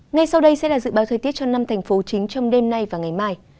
ngay sau đây sẽ là dự báo thời tiết cho năm thành phố chính trong đêm nay và ngày mai